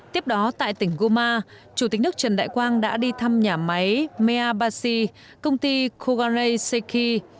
tiếp đó tại tỉnh guma chủ tịch nước trần đại quang đã đi thăm nhà máy meabashi công ty kogarey seki